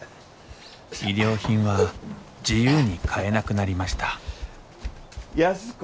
衣料品は自由に買えなくなりました安子。